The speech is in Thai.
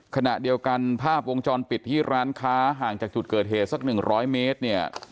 ขณะเดียวกันภาพวงจรปิดที่ร้านค้าห่างจากจุดเกิดเหตุสัก๑๐๐เมตรเนี่ย